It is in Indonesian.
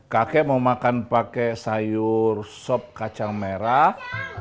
kakek mau makan pakai sayur sop kacang merah